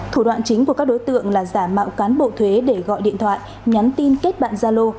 thủ đoạn chính của các đối tượng là giả mạo cán bộ thuế để gọi điện thoại nhắn tin kết bạn gia lô